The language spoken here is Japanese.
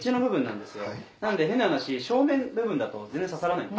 なんで変な話正面部分だと全然刺さらない。